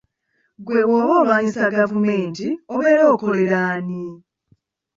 Ggwe bw'oba olwanyisa gavumenti obeera okolerera ani?